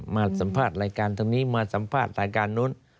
มาสัมภาษณ์รายการตรงนี้มาสัมภาษณ์รายการนู้น